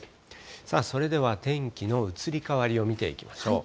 さあ、それでは天気の移り変わりを見ていきましょう。